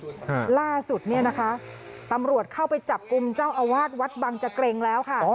อ่าล่าสุดเนี้ยนะคะตำรวจเข้าไปจับกลุ่มเจ้าอาวาสวัดบังเจเกร็งแล้วค่ะอ๋อ